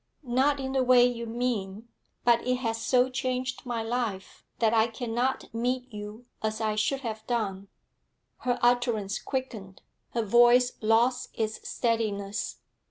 'Not in the way you mean, but it has so changed my life that I cannot meet you as I should have done.' Her utterance quickened; her voice lost its steadiness.